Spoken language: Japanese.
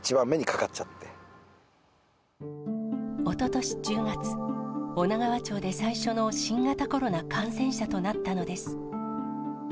おととし１０月、女川町の最初の新型コロナ感染者となったのです。